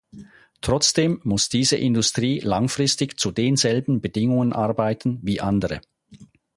Trotzdem muss diese Industrie langfristig zu denselben Bedingungen arbeiten wie andere.